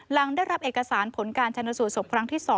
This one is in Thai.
หลังได้รับเอกสารผลการชนสูตรศพครั้งที่๒